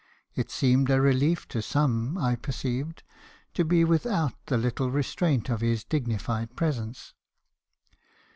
It seemed a relief to some , I perceived, to be without the little restraint of his dignified presence.